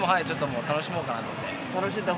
楽しもうかなと思って。